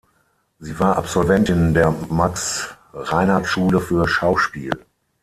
Sie war Absolventin der Max-Reinhardt-Schule für Schauspiel.